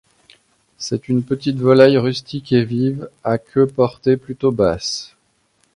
C'est une petite volaille rustique et vive, à queue portée plutôt basse.